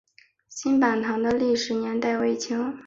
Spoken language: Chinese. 新坂堂的历史年代为清。